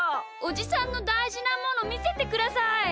おじさんのたいじなものみせてください！